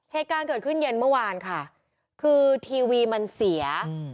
เหตุการณ์เกิดขึ้นเย็นเมื่อวานค่ะคือทีวีมันเสียอืม